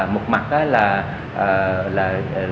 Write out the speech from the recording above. một mặt là